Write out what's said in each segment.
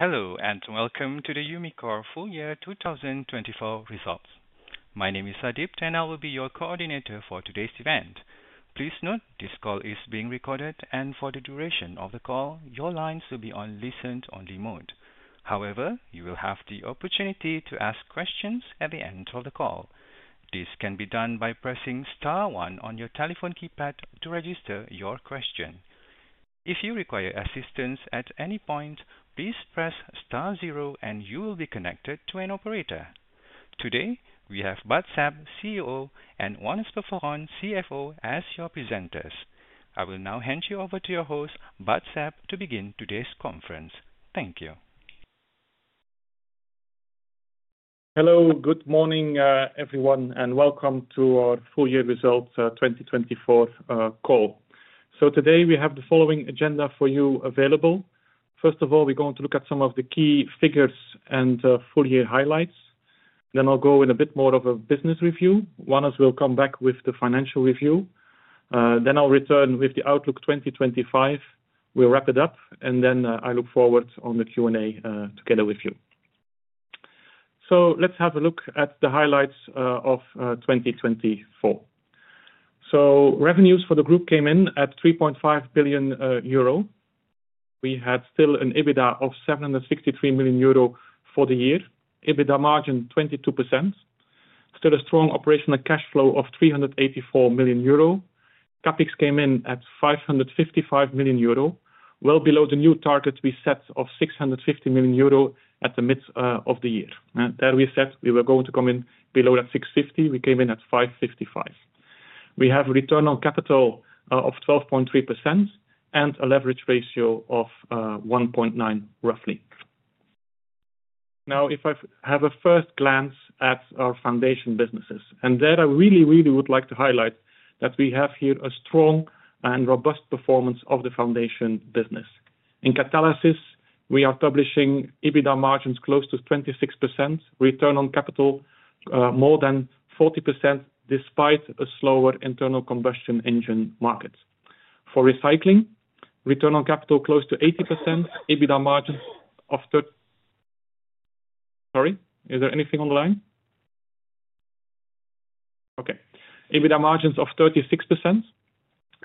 Hello, and welcome to the Umicore Full Year 2024 results. My name is Sandeep, and I will be your coordinator for today's event. Please note this call is being recorded, and for the duration of the call, your lines will be on listen-only mode. However, you will have the opportunity to ask questions at the end of the call. This can be done by pressing star one on your telephone keypad to register your question. If you require assistance at any point, please press star zero, and you will be connected to an operator. Today, we have Bart Sap, CEO, and Wannes Peferoen, CFO, as your presenters. I will now hand you over to your host, Bart Sap, to begin today's conference. Thank you. Hello, good morning, everyone, and welcome to our Full Year Results 2024 call. So today, we have the following agenda for you available. First of all, we're going to look at some of the key figures and full year highlights. Then I'll go in a bit more of a business review. Wannes will come back with the financial review. Then I'll return with the Outlook 2025. We'll wrap it up, and then I look forward to the Q&A together with you. So let's have a look at the highlights of 2024. So revenues for the group came in at 3.5 billion euro. We had still an EBITDA of 763 million euro for the year. EBITDA margin 22%. Still a strong operational cash flow of 384 million euro. CapEx came in at 555 million euro, well below the new target we set of 650 million euro at the midst of the year. There we said we were going to come in below that 650. We came in at 555. We have a return on capital of 12.3% and a leverage ratio of 1.9, roughly. Now, if I have a first glance at our foundation businesses, and there I really, really would like to highlight that we have here a strong and robust performance of the foundation business. In catalysis, we are publishing EBITDA margins close to 26%, return on capital more than 40%, despite a slower internal combustion engine market. For recycling, return on capital close to 80%, EBITDA margins of, sorry, is there anything on the line? Okay, EBITDA margins of 36%.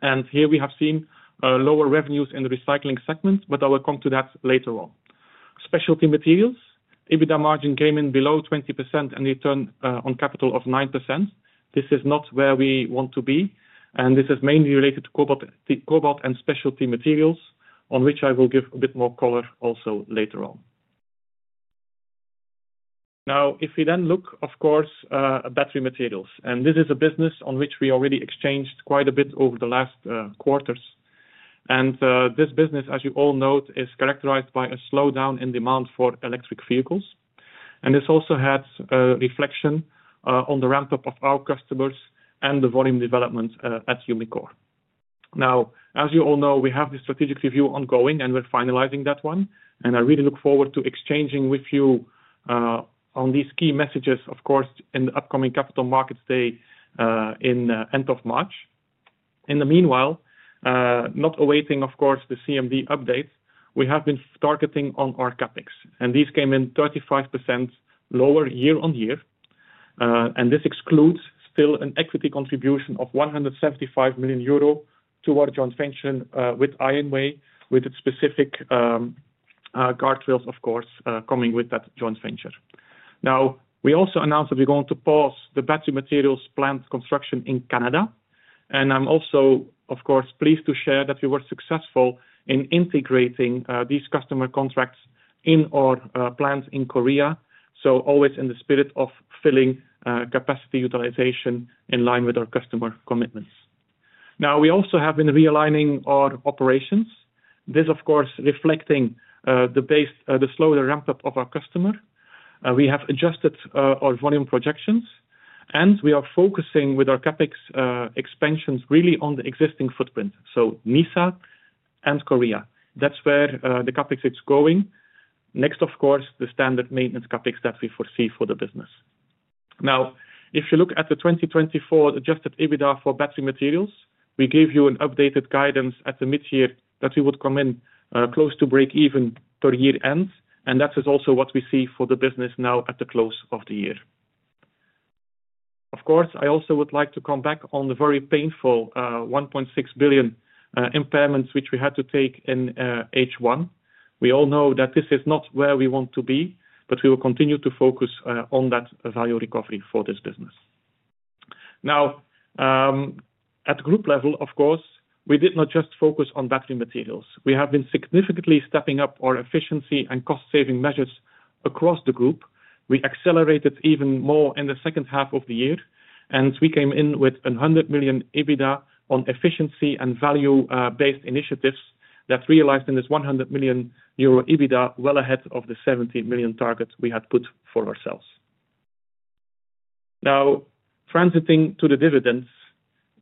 And here we have seen lower revenues in the recycling segment, but I will come to that later on. Specialty materials, EBITDA margin came in below 20% and return on capital of 9%. This is not where we want to be, and this is mainly related to Cobalt and Specialty Materials, on which I will give a bit more color also later on. Now, if we then look, of course, at Battery Materials, and this is a business on which we already exchanged quite a bit over the last quarters. And this business, as you all know, is characterized by a slowdown in demand for electric vehicles. And this also had a reflection on the ramp-up of our customers and the volume development at Umicore. Now, as you all know, we have the strategic review ongoing, and we're finalizing that one. And I really look forward to exchanging with you on these key messages, of course, in the upcoming Capital Markets Day in the end of March. In the meanwhile, not awaiting, of course, the CMD updates, we have been targeting on our CapEx, and these came in 35% lower year on year, and this excludes still an equity contribution of 175 million euro to our joint venture with IONWAY, with its specific guardrails, of course, coming with that joint venture. Now, we also announced that we're going to pause the battery materials plant construction in Canada, and I'm also, of course, pleased to share that we were successful in integrating these customer contracts in our plant in Korea, so always in the spirit of filling capacity utilization in line with our customer commitments. Now, we also have been realigning our operations. This, of course, reflecting the slower ramp-up of our customer. We have adjusted our volume projections, and we are focusing with our CapEx expansions really on the existing footprint, so Nysa and Korea. That's where the CapEx is going. Next, of course, the standard maintenance CapEx that we foresee for the business. Now, if you look at the 2024 Adjusted EBITDA for Battery Materials, we gave you an updated guidance at the mid-year that we would come in close to break-even per year end, and that is also what we see for the business now at the close of the year. Of course, I also would like to come back on the very painful 1.6 billion impairments which we had to take in H1. We all know that this is not where we want to be, but we will continue to focus on that value recovery for this business. Now, at group level, of course, we did not just focus on Battery Materials. We have been significantly stepping up our efficiency and cost-saving measures across the group. We accelerated even more in the second half of the year, and we came in with 100 million EBITDA on efficiency and value-based initiatives that realized in this 100 million euro EBITDA well ahead of the 70 million target we had put for ourselves. Now, transitioning to the dividends,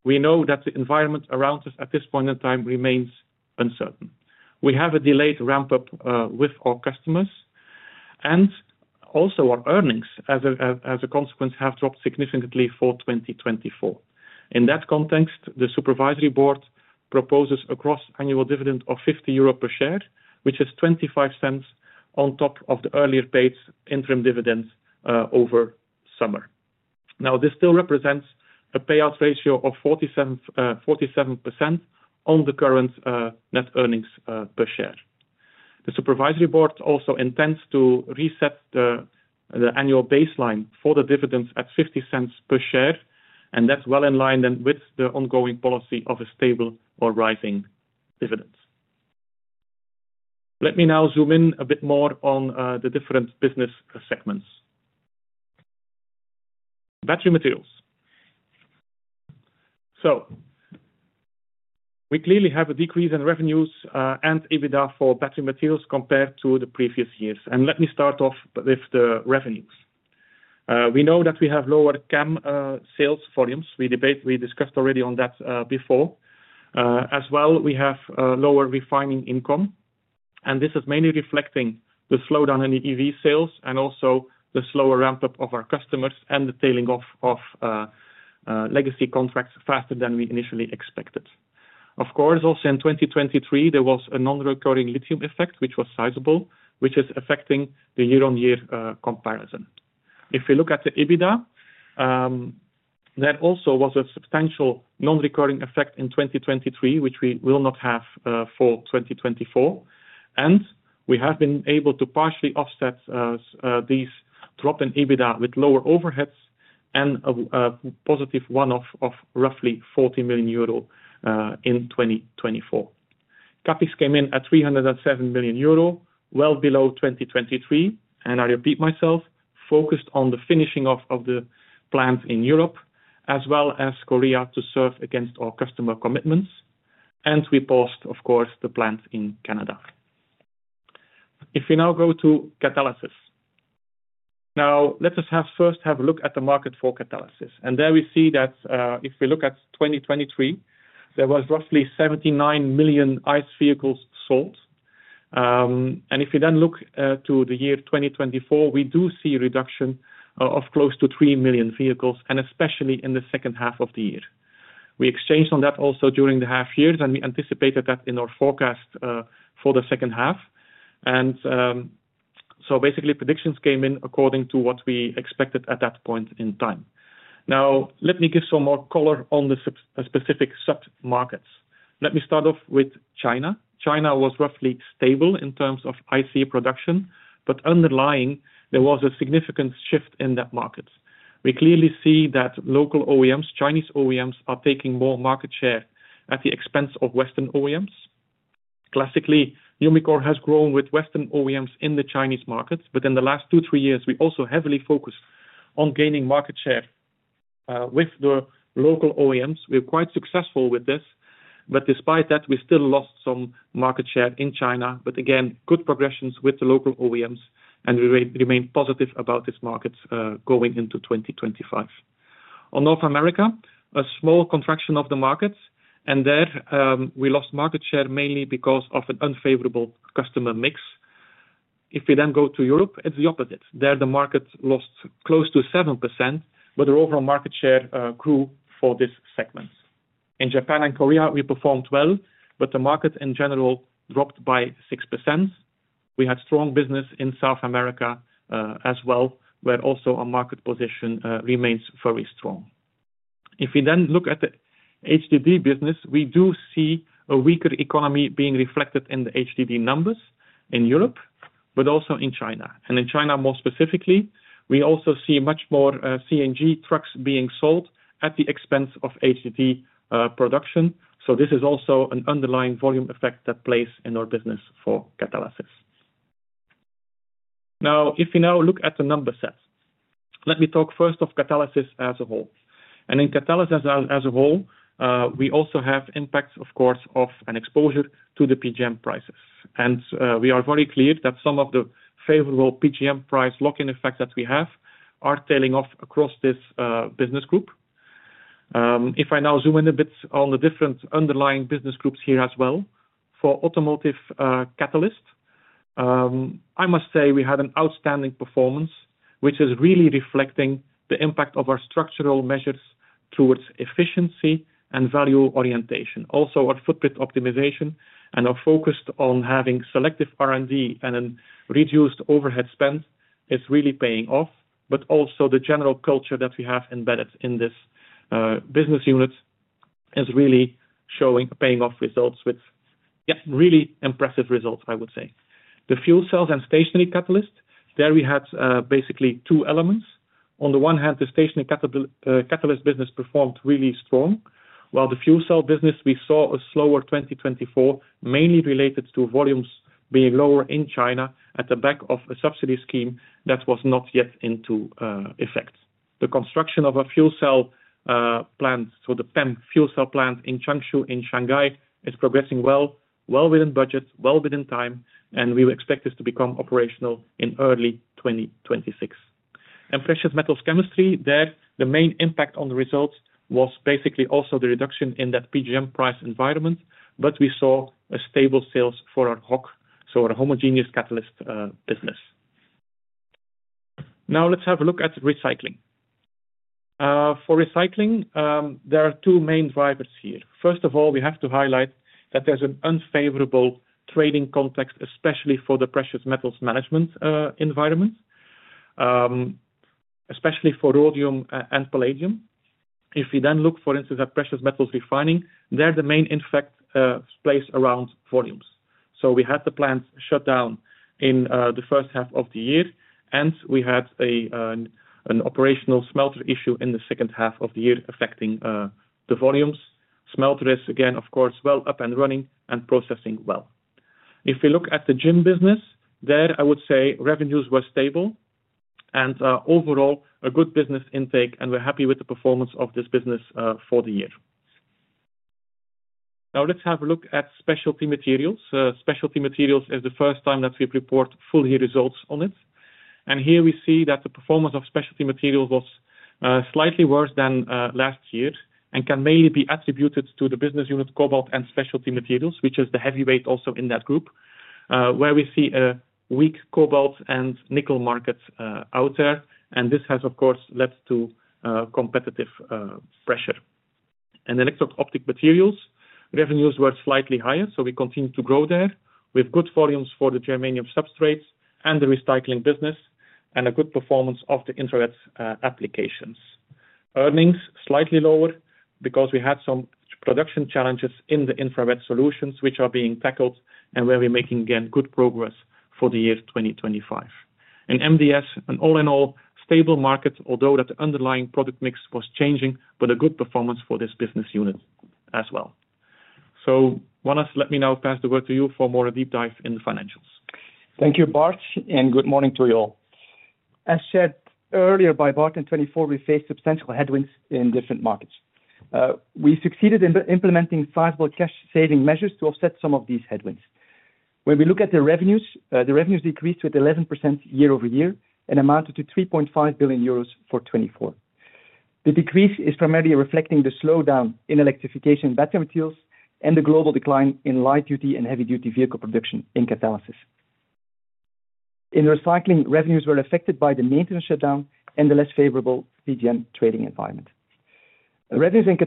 we know that the environment around us at this point in time remains uncertain. We have a delayed ramp-up with our customers, and also our earnings, as a consequence, have dropped significantly for 2024. In that context, the supervisory board proposes a gross annual dividend of 0.50 euro per share, which is 0.25 on top of the earlier paid interim dividends over summer. Now, this still represents a payout ratio of 47% on the current net earnings per share. The supervisory board also intends to reset the annual baseline for the dividends at 0.50 per share, and that's well in line then with the ongoing policy of a stable or rising dividend. Let me now zoom in a bit more on the different business segments. Battery Materials, so we clearly have a decrease in revenues and EBITDA for Battery Materials compared to the previous years, and let me start off with the revenues. We know that we have lower CAM sales volumes. We discussed already on that before. As well, we have lower refining income, and this is mainly reflecting the slowdown in EV sales and also the slower ramp-up of our customers and the tailing off of legacy contracts faster than we initially expected. Of course, also in 2023, there was a non-recurring lithium effect, which was sizable, which is affecting the year-on-year comparison. If we look at the EBITDA, there also was a substantial non-recurring effect in 2023, which we will not have for 2024. And we have been able to partially offset this drop in EBITDA with lower overheads and a positive one-off of roughly 40 million euro in 2024. CapEx came in at 307 million euro, well below 2023. And I repeat myself, focused on the finishing off of the plant in Europe, as well as Korea to serve against our customer commitments. And we paused, of course, the plant in Canada. If we now go to Catalysis. Now, let us first have a look at the market for Catalysis. And there we see that if we look at 2023, there was roughly 79 million ICE vehicles sold. If we then look to the year 2024, we do see a reduction of close to three million vehicles, and especially in the second half of the year. We exchanged on that also during the half years, and we anticipated that in our forecast for the second half. So basically, predictions came in according to what we expected at that point in time. Now, let me give some more color on the specific sub-markets. Let me start off with China. China was roughly stable in terms of ICE production, but underlying, there was a significant shift in that market. We clearly see that local OEMs, Chinese OEMs, are taking more market share at the expense of Western OEMs. Classically, Umicore has grown with Western OEMs in the Chinese markets, but in the last two, three years, we also heavily focused on gaining market share with the local OEMs. We were quite successful with this, but despite that, we still lost some market share in China, but again, good progressions with the local OEMs, and we remained positive about this market going into 2025. On North America, a small contraction of the markets, and there we lost market share mainly because of an unfavorable customer mix. If we then go to Europe, it's the opposite. There the market lost close to 7%, but the overall market share grew for this segment. In Japan and Korea, we performed well, but the market in general dropped by 6%. We had strong business in South America as well, where also our market position remains very strong. If we then look at the HDD business, we do see a weaker economy being reflected in the HDD numbers in Europe, but also in China. In China, more specifically, we also see much more CNG trucks being sold at the expense of HDD production. This is also an underlying volume effect that plays in our business for catalysis. Now, if we look at the number sets, let me talk first of catalysis as a whole. In catalysis as a whole, we also have impacts, of course, of an exposure to the PGM prices. We are very clear that some of the favorable PGM price lock-in effects that we have are tailing off across this business group. If I now zoom in a bit on the different underlying business groups here as well, for Automotive Catalyst, I must say we had an outstanding performance, which is really reflecting the impact of our structural measures towards efficiency and value orientation. Also, our footprint optimization and our focus on having selective R&D and a reduced overhead spend is really paying off. But also, the general culture that we have embedded in this business unit is really showing paying off results with really impressive results, I would say. The Fuel Cells and Stationary Catalyst, there we had basically two elements. On the one hand, the stationary catalyst business performed really strong, while the fuel cell business we saw a slower 2024, mainly related to volumes being lower in China at the back of a subsidy scheme that was not yet into effect. The construction of a fuel cell plant, so the PEM fuel cell plant in Changshu in Shanghai, is progressing well, well within budget, well within time, and we expect this to become operational in early 2026. Precious Metals Chemistry, there the main impact on the results was basically also the reduction in that PGM price environment, but we saw a stable sales for our HOC, so our homogeneous catalyst business. Now, let's have a look at recycling. For recycling, there are two main drivers here. First of all, we have to highlight that there's an unfavorable trading context, especially for the precious metals management environment, especially for rhodium and palladium. If we then look, for instance, at precious metals refining, there the main impact plays around volumes. We had the plant shut down in the first half of the year, and we had an operational smelter issue in the second half of the year affecting the volumes. Smelter is, again, of course, well up and running and processing well. If we look at the JIM business, there I would say revenues were stable and overall a good business intake, and we're happy with the performance of this business for the year. Now, let's have a look at Specialty Materials. Specialty Materials is the first time that we report full results on it. Here we see that the performance of Specialty Materials was slightly worse than last year and can mainly be attributed to the business unit Cobalt & Specialty Materials, which is the heavyweight also in that group, where we see a weak cobalt and nickel market out there. And this has, of course, led to competitive pressure. And Electro-Optic Materials, revenues were slightly higher, so we continue to grow there with good volumes for the germanium substrates and the Recycling business and a good performance of the infrared applications. Earnings slightly lower because we had some production challenges in the infrared solutions, which are being tackled and where we're making again good progress for the year 2025. And MDS, an all-in-all stable market, although that underlying product mix was changing, but a good performance for this business unit as well. So Wannes, let me now pass the word to you for more a deep dive in the financials. Thank you, Bart, and good morning to you all. As said earlier by Bart, in 2024, we faced substantial headwinds in different markets. We succeeded in implementing sizable cash saving measures to offset some of these headwinds. When we look at the revenues, the revenues decreased with 11% year over year and amounted to 3.5 billion euros for 2024. The decrease is primarily reflecting the slowdown in electrification in battery materials and the global decline in light-duty and heavy-duty vehicle production in catalysis. In recycling, revenues were affected by the maintenance shutdown and the less favorable PGM trading environment. Revenues in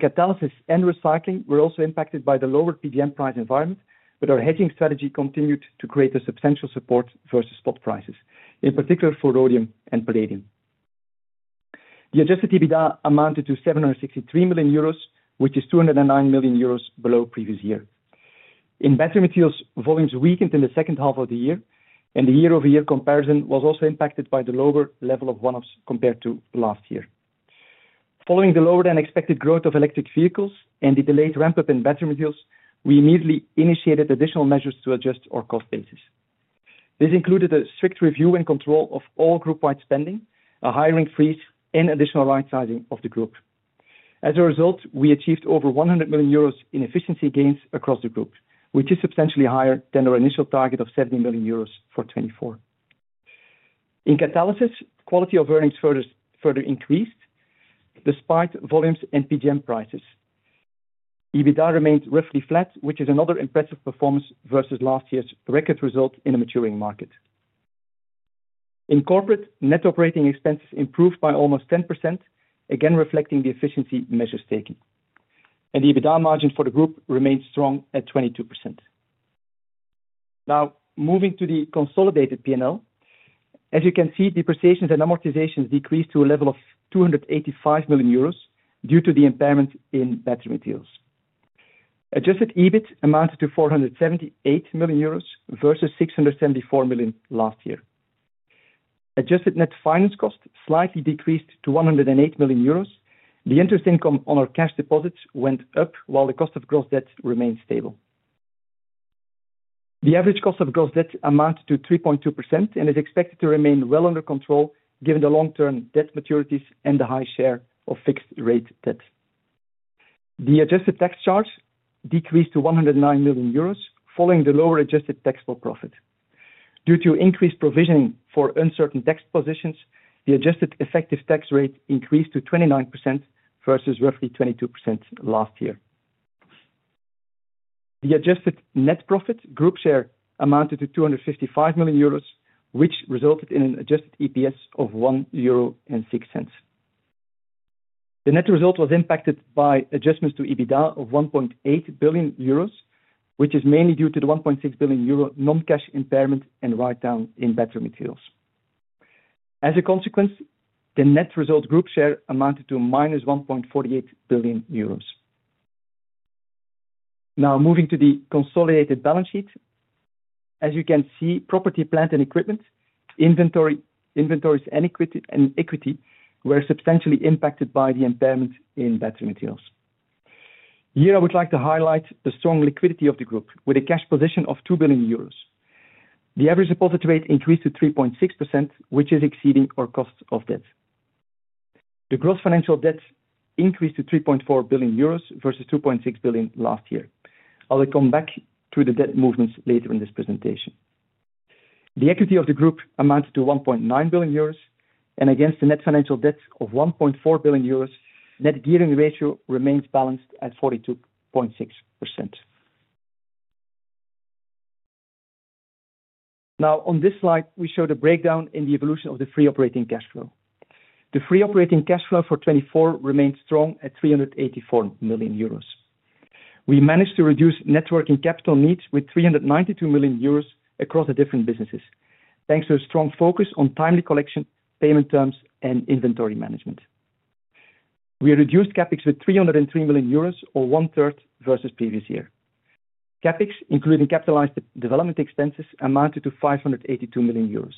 catalysis and recycling were also impacted by the lowered PGM price environment, but our hedging strategy continued to create a substantial support versus spot prices, in particular for rhodium and palladium. The adjusted EBITDA amounted to €763 million, which is €209 million below previous year. In battery materials, volumes weakened in the second half of the year, and the year-over-year comparison was also impacted by the lower level of one-offs compared to last year. Following the lower-than-expected growth of electric vehicles and the delayed ramp-up in battery materials, we immediately initiated additional measures to adjust our cost basis. This included a strict review and control of all group-wide spending, a hiring freeze, and additional right-sizing of the group. As a result, we achieved over €100 million in efficiency gains across the group, which is substantially higher than our initial target of €70 million for 2024. In catalysis, quality of earnings further increased despite volumes and PGM prices. EBITDA remained roughly flat, which is another impressive performance versus last year's record result in a maturing market. In corporate, net operating expenses improved by almost 10%, again reflecting the efficiency measures taken. The EBITDA margin for the group remained strong at 22%. Now, moving to the consolidated P&L, as you can see, depreciations and amortizations decreased to a level of €285 million due to the impairment in battery materials. Adjusted EBIT amounted to €478 million versus €674 million last year. Adjusted net finance cost slightly decreased to €108 million. The interest income on our cash deposits went up, while the cost of gross debt remained stable. The average cost of gross debt amounted to 3.2% and is expected to remain well under control given the long-term debt maturities and the high share of fixed-rate debt. The adjusted tax charge decreased to 109 million euros following the lower adjusted taxable profit. Due to increased provisioning for uncertain tax positions, the adjusted effective tax rate increased to 29% versus roughly 22% last year. The adjusted net profit, group share, amounted to 255 million euros, which resulted in an adjusted EPS of 1.06 euro. The net result was impacted by adjustments to EBITDA of 1.8 billion euros, which is mainly due to the 1.6 billion euro non-cash impairment and write-down in battery materials. As a consequence, the net result group share amounted to -1.48 billion euros. Now, moving to the consolidated balance sheet, as you can see, property, plant and equipment, inventories and equity were substantially impacted by the impairment in battery materials. Here, I would like to highlight the strong liquidity of the group with a cash position of €2 billion. The average deposit rate increased to 3.6%, which is exceeding our cost of debt. The gross financial debt increased to €3.4 billion versus €2.6 billion last year. I'll come back to the debt movements later in this presentation. The equity of the group amounted to €1.9 billion, and against the net financial debt of €1.4 billion, net gearing ratio remains balanced at 42.6%. Now, on this slide, we show the breakdown in the evolution of the free operating cash flow. The free operating cash flow for 2024 remained strong at €384 million. We managed to reduce networking capital needs with 392 million euros across the different businesses, thanks to a strong focus on timely collection, payment terms, and inventory management. We reduced CapEx with 303 million euros, or one-third versus previous year. CapEx, including capitalized development expenses, amounted to 582 million euros,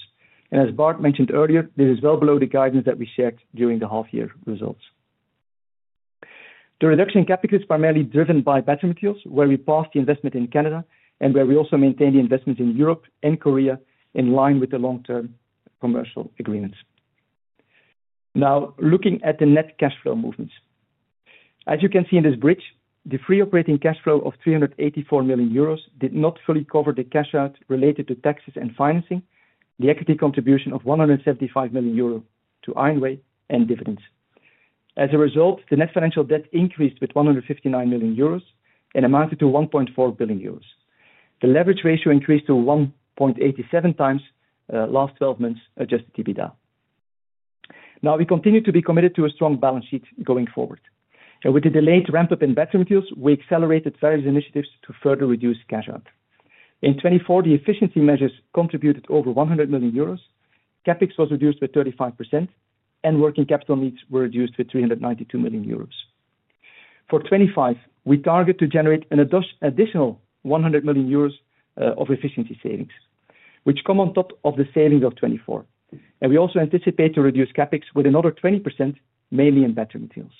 and as Bart mentioned earlier, this is well below the guidance that we shared during the half-year results. The reduction in CapEx is primarily driven by battery materials, where we paused the investment in Canada and where we also maintained the investments in Europe and Korea in line with the long-term commercial agreements. Now, looking at the net cash flow movements. As you can see in this bridge, the free operating cash flow of 384 million euros did not fully cover the cash out related to taxes and financing, the equity contribution of 175 million euro to IONWAY, and dividends. As a result, the net financial debt increased with 159 million euros and amounted to 1.4 billion euros. The leverage ratio increased to 1.87 times last 12 months adjusted EBITDA. Now, we continue to be committed to a strong balance sheet going forward. And with the delayed ramp-up in battery materials, we accelerated various initiatives to further reduce cash out. In 2024, the efficiency measures contributed over 100 million euros. CapEx was reduced by 35%, and working capital needs were reduced with 392 million euros. For 2025, we target to generate an additional 100 million euros of efficiency savings, which come on top of the savings of 2024. And we also anticipate to reduce CapEx with another 20%, mainly in battery materials.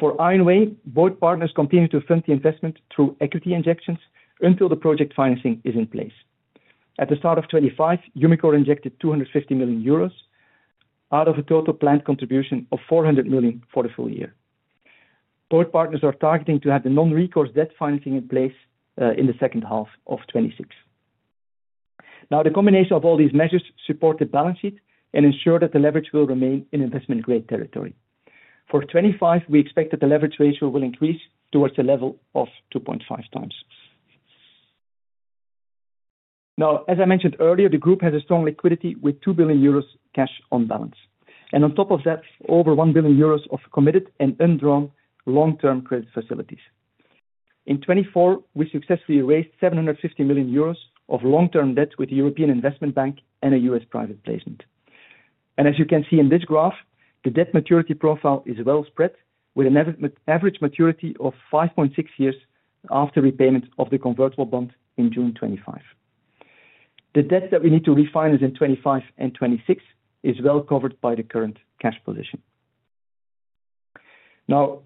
For IONWAY, both partners continue to fund the investment through equity injections until the project financing is in place. At the start of 2025, Umicore injected 250 million euros out of a total planned contribution of 400 million for the full year. Both partners are targeting to have the non-recourse debt financing in place in the second half of 2026. Now, the combination of all these measures supports the balance sheet and ensures that the leverage will remain in investment-grade territory. For 2025, we expect that the leverage ratio will increase towards the level of 2.5 times. Now, as I mentioned earlier, the group has a strong liquidity with 2 billion euros cash on balance, and on top of that, over 1 billion euros of committed and undrawn long-term credit facilities. In 2024, we successfully raised 750 million euros of long-term debt with the European Investment Bank and a U.S. private placement. As you can see in this graph, the debt maturity profile is well spread with an average maturity of 5.6 years after repayment of the convertible bond in June 2025. The debt that we need to refinance in 2025 and 2026 is well covered by the current cash position. Now,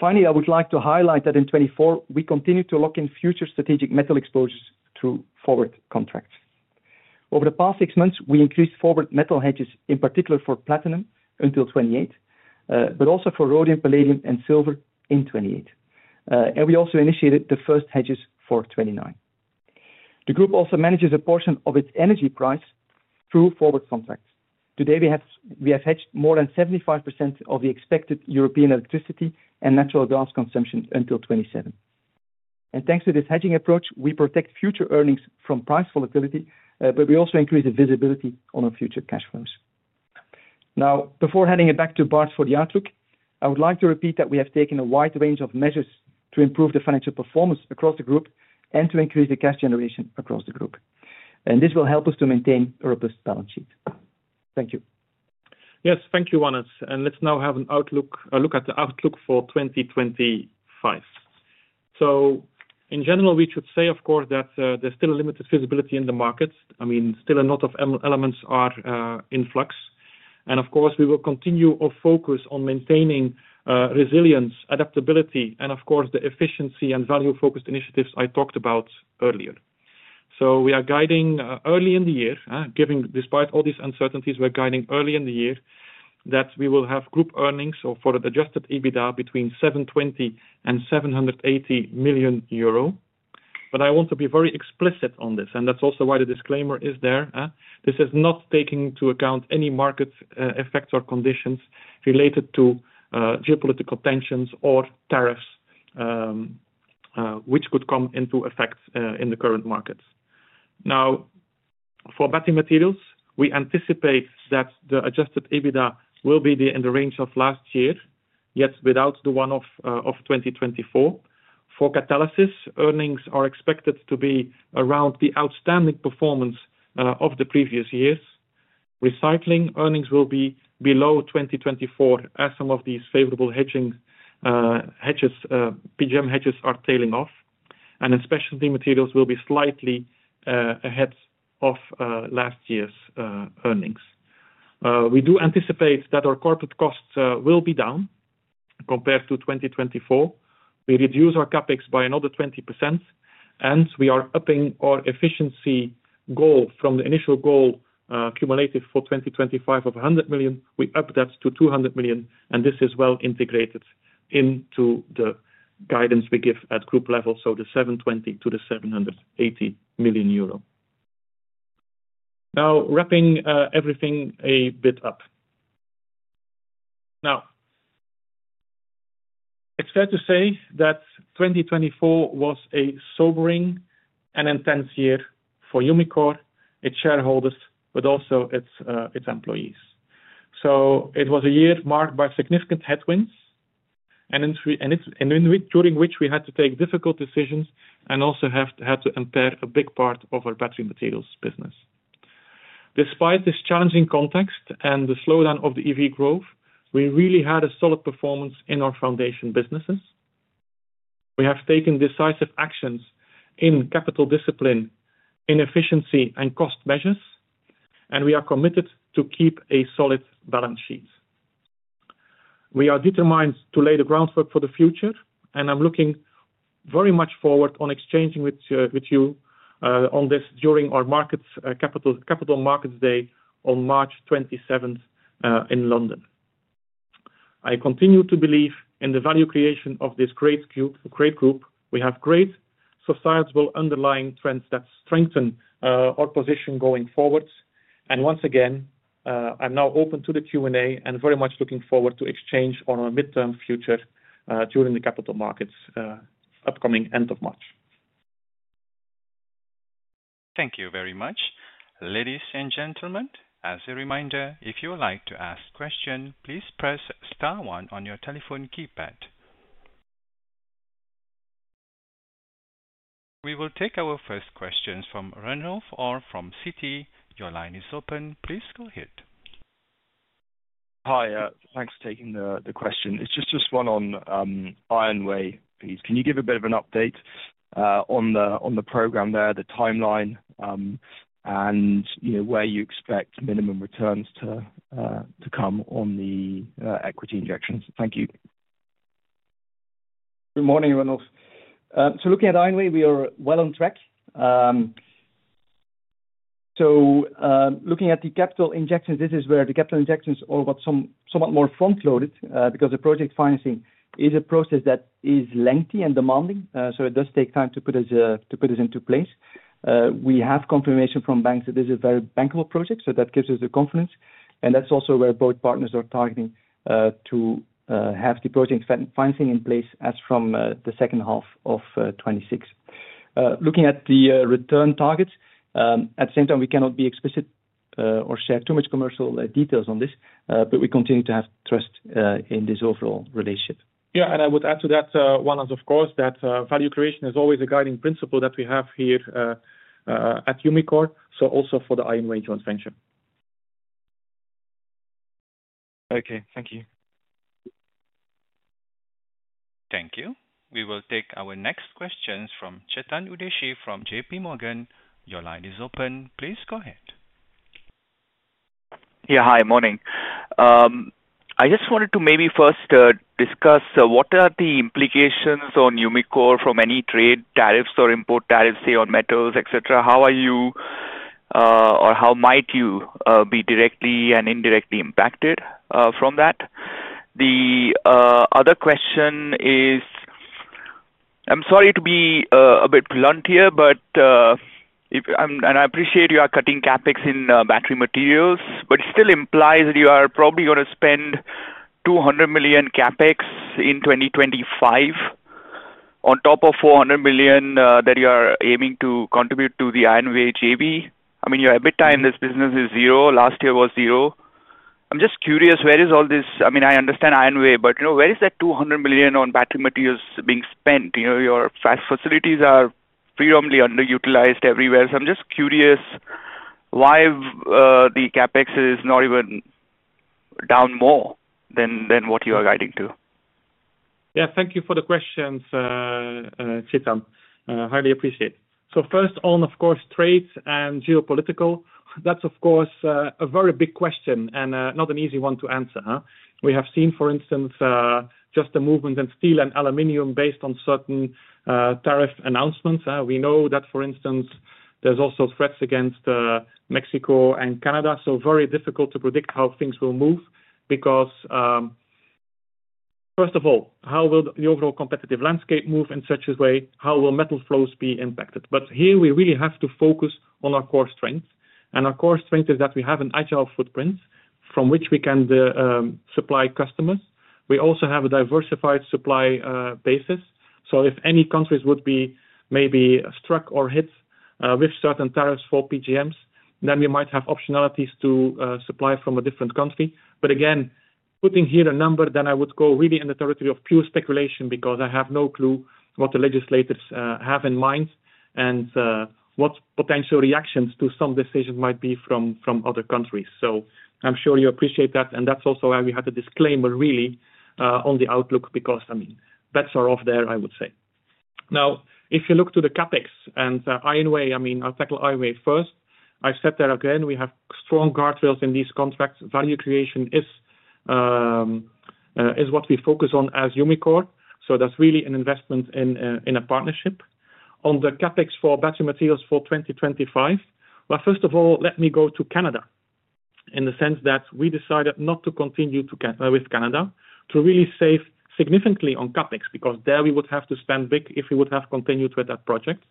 finally, I would like to highlight that in 2024, we continue to lock in future strategic metal exposures through forward contracts. Over the past six months, we increased forward metal hedges, in particular for platinum until 2028, but also for rhodium, palladium, and silver in 2028. And we also initiated the first hedges for 2029. The group also manages a portion of its energy price through forward contracts. Today, we have hedged more than 75% of the expected European electricity and natural gas consumption until 2027. Thanks to this hedging approach, we protect future earnings from price volatility, but we also increase the visibility on our future cash flows. Now, before handing it back to Bart for the outlook, I would like to repeat that we have taken a wide range of measures to improve the financial performance across the group and to increase the cash generation across the group. This will help us to maintain a robust balance sheet. Thank you. Yes, thank you, Wannes. Let's now have a look at the outlook for 2025. In general, we should say, of course, that there's still limited visibility in the markets. I mean, still a lot of elements are in flux. Of course, we will continue our focus on maintaining resilience, adaptability, and, of course, the efficiency and value-focused initiatives I talked about earlier. We are guiding early in the year, despite all these uncertainties. We're guiding early in the year that we will have group earnings for an adjusted EBITDA between € 720 and € 780 million. But I want to be very explicit on this, and that's also why the disclaimer is there. This is not taking into account any market effects or conditions related to geopolitical tensions or tariffs, which could come into effect in the current markets. Now, for battery materials, we anticipate that the adjusted EBITDA will be in the range of last year, yet without the one-off of 2024. For catalysis, earnings are expected to be around the outstanding performance of the previous years. Recycling earnings will be below 2024, as some of these favorable PGM hedges are tailing off. And especially, materials will be slightly ahead of last year's earnings. We do anticipate that our corporate costs will be down compared to 2024. We reduce our CapEx by another 20%, and we are upping our efficiency goal from the initial goal cumulative for 2025 of € 100 million. We upped that to € 200 million, and this is well integrated into the guidance we give at group level, so the €720-€780 million. Now, wrapping everything a bit up. Now, it's fair to say that 2024 was a sobering and intense year for Umicore, its shareholders, but also its employees. So, it was a year marked by significant headwinds, and during which we had to take difficult decisions and also had to impair a big part of our Battery Materials business. Despite this challenging context and the slowdown of the EV growth, we really had a solid performance in our foundation businesses. We have taken decisive actions in capital discipline, in efficiency and cost measures, and we are committed to keep a solid balance sheet. We are determined to lay the groundwork for the future, and I'm looking very much forward to exchanging with you on this during our Capital Markets Day on March 27 in London. I continue to believe in the value creation of this great group. We have great societal underlying trends that strengthen our position going forward, and once again, I'm now open to the Q&A and very much looking forward to exchange on our midterm future during the capital markets upcoming end of March. Thank you very much. Ladies and gentlemen, as a reminder, if you would like to ask a question, please press star one on your telephone keypad. We will take our first questions from Ranulf Orr from Citi. Your line is open. Please go ahead. Hi, thanks for taking the question. It's just one on IONWAY. Can you give a bit of an update on the program there, the timeline, and where you expect minimum returns to come on the equity injections? Thank you. Good morning, Reynolds. So, looking at IONWAY, we are well on track. So, looking at the capital injections, this is where the capital injections are somewhat more front-loaded because the project financing is a process that is lengthy and demanding. So, it does take time to put this into place. We have confirmation from banks that this is a very bankable project, so that gives us the confidence. And that's also where both partners are targeting to have the project financing in place as from the second half of 2026. Looking at the return targets, at the same time, we cannot be explicit or share too much commercial details on this, but we continue to have trust in this overall relationship. Yeah, and I would add to that, Wannes, of course, that value creation is always a guiding principle that we have here at Umicore, so also for the IONWAY joint venture. Okay, thank you. Thank you. We will take our next questions from Chetan Udeshi from J.P. Morgan. Your line is open. Please go ahead. Yeah, hi, morning. I just wanted to maybe first discuss what are the implications on Umicore from any trade tariffs or import tariffs, say, on metals, etc. How are you, or how might you be directly and indirectly impacted from that? The other question is, I'm sorry to be a bit blunt here, but I appreciate you are cutting CapEx in battery materials, but it still implies that you are probably going to spend 200 million CapEx in 2025 on top of 400 million that you are aiming to contribute to the IONWAY JV. I mean, your EBITDA in this business is zero. Last year was zero. I'm just curious, where is all this? I mean, I understand IONWAY, but where is that 200 million on battery materials being spent? Your facilities are freely underutilized everywhere. So, I'm just curious why the CapEx is not even down more than what you are guiding to. Yeah, thank you for the questions, Chetan. Highly appreciate. So, first on, of course, trade and geopolitical. That's, of course, a very big question and not an easy one to answer. We have seen, for instance, just the movement in steel and aluminum based on certain tariff announcements. We know that, for instance, there's also threats against Mexico and Canada. So, very difficult to predict how things will move because, first of all, how will the overall competitive landscape move in such a way? How will metal flows be impacted? But here, we really have to focus on our core strength. And our core strength is that we have an agile footprint from which we can supply customers. We also have a diversified supply basis. So, if any countries would be maybe struck or hit with certain tariffs for PGMs, then we might have optionalities to supply from a different country. But again, putting here a number, then I would go really in the territory of pure speculation because I have no clue what the legislators have in mind and what potential reactions to some decisions might be from other countries, so I'm sure you appreciate that, and that's also why we had a disclaimer, really, on the outlook because, I mean, bets are off there, I would say. Now, if you look to the CapEx and IONWAY, I mean, I'll tackle IONWAY first. I've said that again, we have strong guardrails in these contracts. Value creation is what we focus on as Umicore. So, that's really an investment in a partnership. On the CapEx for battery materials for 2025, well, first of all, let me go to Canada in the sense that we decided not to continue with Canada to really save significantly on CapEx because there we would have to spend big if we would have continued with that project.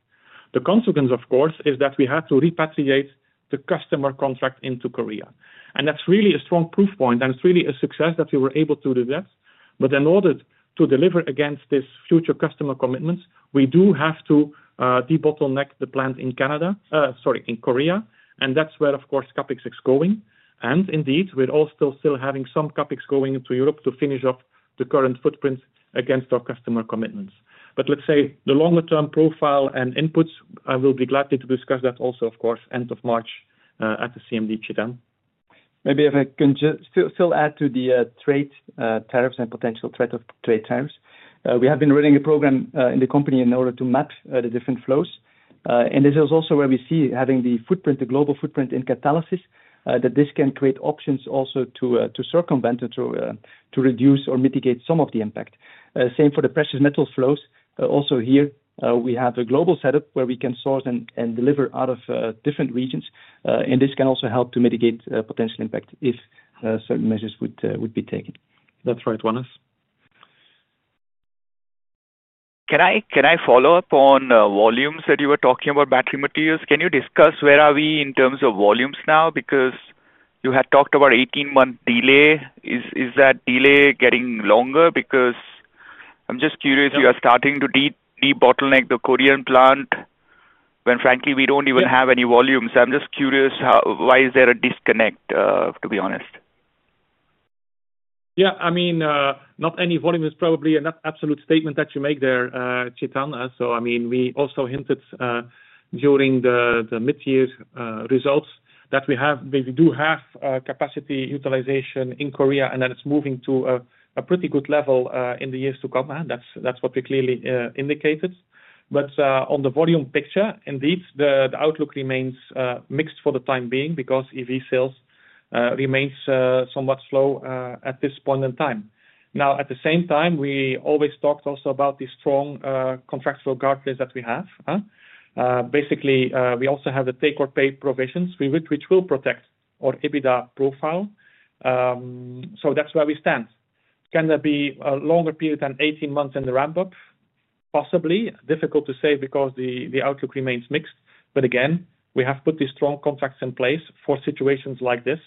The consequence, of course, is that we had to repatriate the customer contract into Korea, and that's really a strong proof point, and it's really a success that we were able to do that, but in order to deliver against these future customer commitments, we do have to de-bottleneck the plant in Canada, sorry, in Korea, and that's where, of course, CapEx is going, and indeed, we're all still having some CapEx going into Europe to finish off the current footprint against our customer commitments. But let's say the longer-term profile and inputs. I will be glad to discuss that also, of course, end of March at the CMD Chetan. Maybe if I can still add to the trade tariffs and potential trade tariffs. We have been running a program in the company in order to map the different flows. And this is also where we see having the footprint, the global footprint in catalysis, that this can create options also to circumvent and to reduce or mitigate some of the impact. Same for the precious metal flows. Also here, we have a global setup where we can source and deliver out of different regions. And this can also help to mitigate potential impact if certain measures would be taken. That's right, Wannes. Can I follow up on volumes that you were talking about battery materials? Can you discuss where are we in terms of volumes now? Because you had talked about an 18-month delay. Is that delay getting longer? Because I'm just curious, you are starting to de-bottleneck the Korean plant when, frankly, we don't even have any volumes. I'm just curious, why is there a disconnect, to be honest? Yeah, I mean, not any volume is probably an absolute statement that you make there, Chetan. So, I mean, we also hinted during the mid-year results that we do have capacity utilization in Korea, and that it's moving to a pretty good level in the years to come. That's what we clearly indicated. But on the volume picture, indeed, the outlook remains mixed for the time being because EV sales remain somewhat slow at this point in time. Now, at the same time, we always talked also about the strong contractual guardrails that we have. Basically, we also have the take-or-pay provisions, which will protect our EBITDA profile. So, that's where we stand. Can there be a longer period than 18 months in the ramp-up? Possibly. Difficult to say because the outlook remains mixed. But again, we have put these strong contracts in place for situations like this,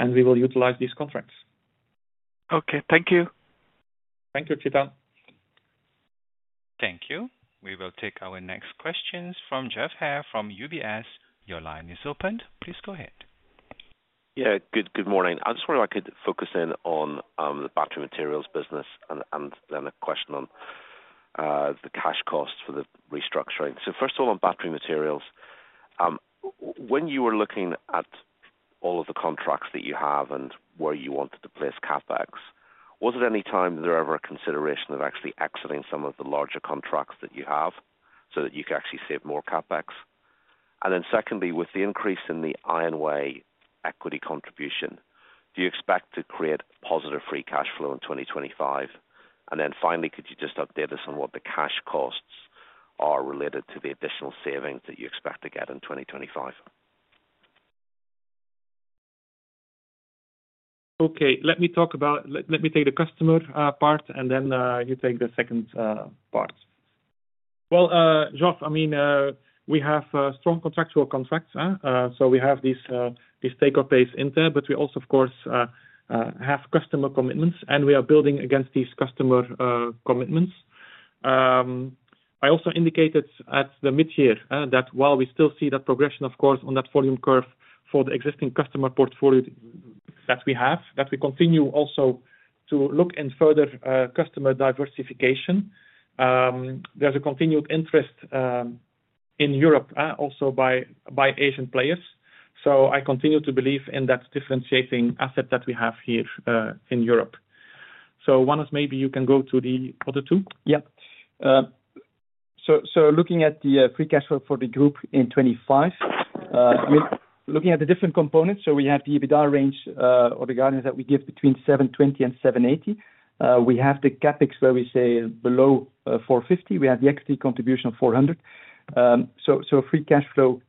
and we will utilize these contracts. Okay, thank you. Thank you, Chetan. Thank you. We will take our next questions from Geoff Haire from UBS. Your line is open. Please go ahead. Yeah, good morning. I just wonder if I could focus in on the battery materials business and then a question on the cash cost for the restructuring. First of all, on battery materials, when you were looking at all of the contracts that you have and where you wanted to place CapEx, was it any time there ever a consideration of actually exiting some of the larger contracts that you have so that you could actually save more CapEx? And then secondly, with the increase in the IONWAY equity contribution, do you expect to create positive free cash flow in 2025? And then finally, could you just update us on what the cash costs are related to the additional savings that you expect to get in 2025? Okay, let me talk about, let me take the customer part, and then you take the second part. Well, Geoff, I mean, we have strong contracts. So, we have these take-or-pay in there, but we also, of course, have customer commitments, and we are building against these customer commitments. I also indicated at the mid-year that while we still see that progression, of course, on that volume curve for the existing customer portfolio that we have, that we continue also to look in further customer diversification. There's a continued interest in Europe also by Asian players. So, I continue to believe in that differentiating asset that we have here in Europe. So, Wannes, maybe you can go to the other two. Yeah. So, looking at the free cash flow for the group in 2025, looking at the different components, so we have the EBITDA range or the guidance that we give between 720 and 780. We have the CapEx where we say below 450. We have the equity contribution of 400. Free cash flow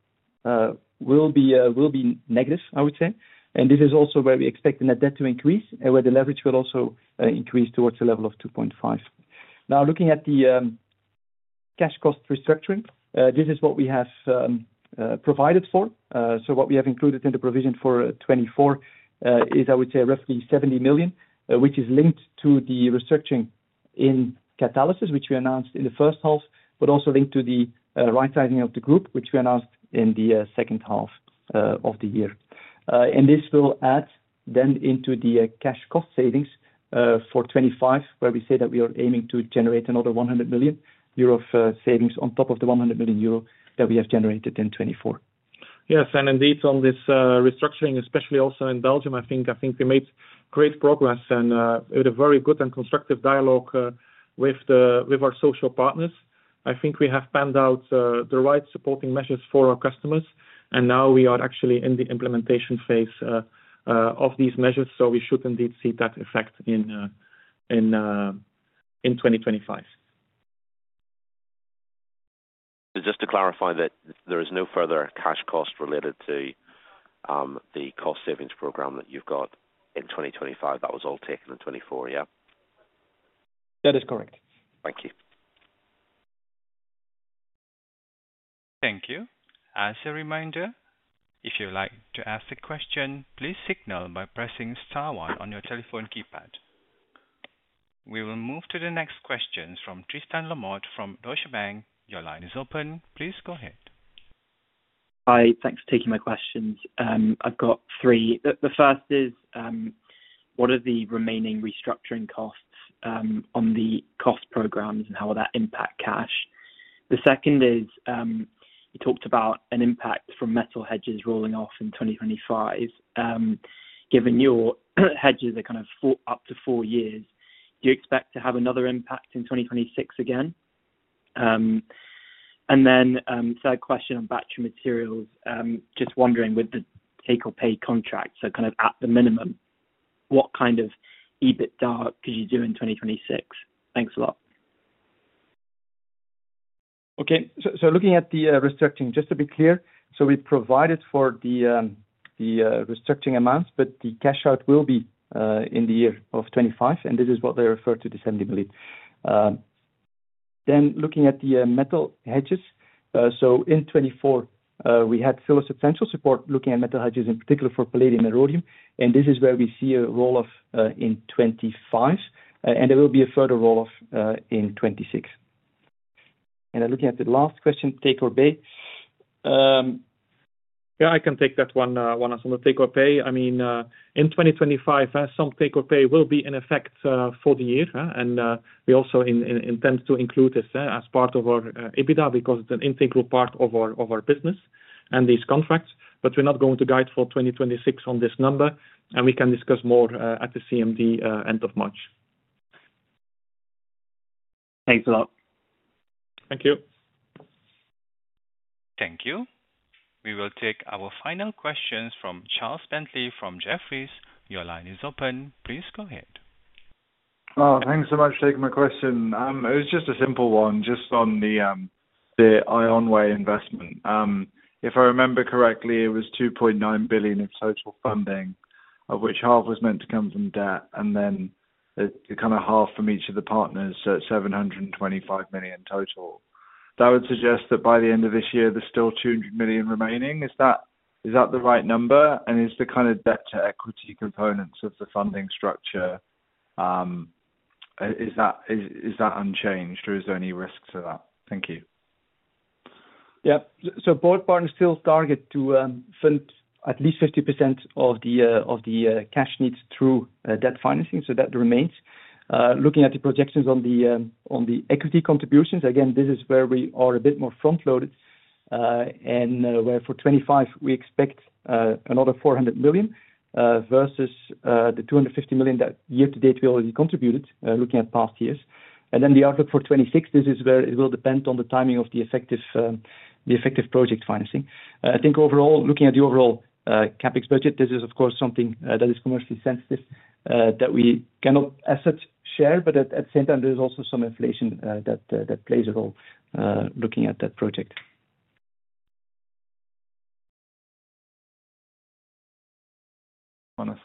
will be negative, I would say. This is also where we expect the net debt to increase and where the leverage will also increase towards the level of 2.5. Now, looking at the cash cost restructuring, this is what we have provided for. What we have included in the provision for 2024 is, I would say, roughly 70 million EUR, which is linked to the restructuring in catalysis, which we announced in the first half, but also linked to the right-sizing of the group, which we announced in the second half of the year. This will add then into the cash cost savings for 2025, where we say that we are aiming to generate another 100 million euro savings on top of the 100 million euro that we have generated in 2024. Yes, and indeed, on this restructuring, especially also in Belgium, I think we made great progress and had a very good and constructive dialogue with our social partners. I think we have penned out the right supporting measures for our customers, and now we are actually in the implementation phase of these measures. So, we should indeed see that effect in 2025. Just to clarify that there is no further cash cost related to the cost savings program that you've got in 2025. That was all taken in 2024, yeah? That is correct. Thank you. Thank you. As a reminder, if you'd like to ask a question, please signal by pressing star one on your telephone keypad. We will move to the next questions from Tristan Lamotte from Deutsche Bank. Your line is open. Please go ahead. Hi, thanks for taking my questions. I've got three. The first is, what are the remaining restructuring costs on the cost programs and how will that impact cash? The second is, you talked about an impact from metal hedges rolling off in 2025. Given your hedges are kind of up to four years, do you expect to have another impact in 2026 again? And then third question on battery materials, just wondering, with the take-or-pay contracts, so kind of at the minimum, what kind of EBITDA could you do in 2026? Thanks a lot. Okay, so looking at the restructuring, just to be clear, so we provided for the restructuring amounts, but the cash out will be in the year of 2025, and this is what they refer to, the 70 million. Then looking at the metal hedges, so in 2024, we had full hedge support looking at metal hedges in particular for palladium and rhodium, and this is where we see a roll-off in 2025, and there will be a further roll-off in 2026. And then looking at the last question, take-or-pay. Yeah, I can take that one, Wannes, on the take-or-pay. I mean, in 2025, some take-or-pay will be in effect for the year, and we also intend to include this as part of our EBITDA because it's an integral part of our business and these contracts. But we're not going to guide for 2026 on this number, and we can discuss more at the CMD end of March. Thanks a lot. Thank you. Thank you. We will take our final questions from Charles Bentley from Jefferies. Your line is open. Please go ahead. Oh, thanks so much for taking my question. It was just a simple one, just on the IONWAY investment. If I remember correctly, it was 2.9 billion in total funding, of which half was meant to come from debt, and then kind of half from each of the partners, so 725 million total. That would suggest that by the end of this year, there's still 200 million remaining. Is that the right number? And is the kind of debt-to-equity components of the funding structure, is that unchanged, or is there any risks to that? Thank you. Yeah, so board barn still target to fund at least 50% of the cash needs through debt financing, so that remains. Looking at the projections on the equity contributions, again, this is where we are a bit more front-loaded and where for 2025, we expect another 400 million versus the 250 million that year-to-date we already contributed, looking at past years. And then the outlook for 2026, this is where it will depend on the timing of the effective project financing. I think overall, looking at the overall CapEx budget, this is, of course, something that is commercially sensitive that we cannot disclose, but at the same time, there's also some inflation that plays a role looking at that project. Wannes.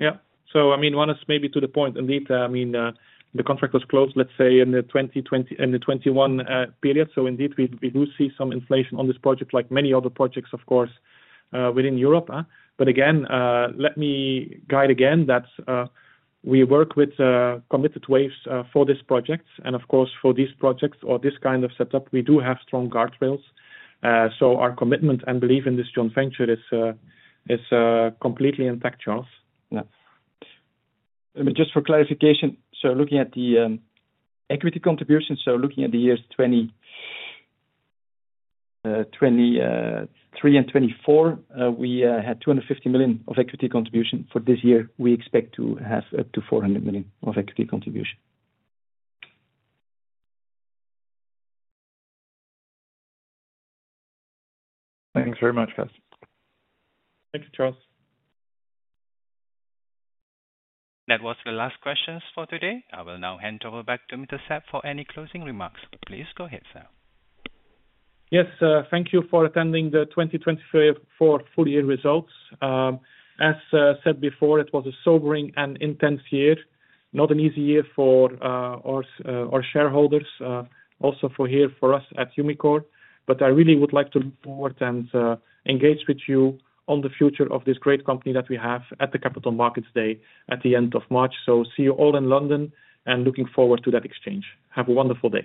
Yeah, so I mean, Wannes, maybe to the point, indeed, I mean, the contract was closed, let's say, in the 2021 period. So indeed, we do see some inflation on this project, like many other projects, of course, within Europe. But again, let me guide again that we work with committed waves for this project. And of course, for these projects or this kind of setup, we do have strong guardrails. So our commitment and belief in this joint venture is completely intact, Charles. Just for clarification, looking at the equity contributions, looking at the years 2023 and 2024, we had 250 million of equity contribution. For this year, we expect to have up to 400 million of equity contribution. Thanks very much, guys. Thanks, Charles. That was the last questions for today. I will now hand over back to Mr. Sap for any closing remarks. Please go ahead, Sap. Yes, thank you for attending the 2024 full-year results. As said before, it was a sobering and intense year, not an easy year for our shareholders, also for us here at Umicore. But I really would like to look forward and engage with you on the future of this great company that we have at the Capital Markets Day at the end of March. So see you all in London and looking forward to that exchange. Have a wonderful day.